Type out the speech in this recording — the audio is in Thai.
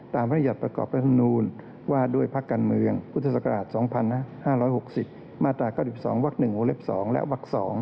ตามพระนาจประกอบพระธนูนว่าโดยพักกันเมืองพุทธศักราช๒๕๖๐มาตรา๙๒วัก๑วงเล็บ๒และวัก๒